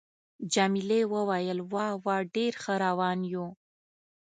جميلې وويل:: وا وا، ډېر ښه روان یو.